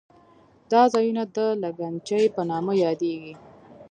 دا ځایونه د لګنچې په نامه یادېږي.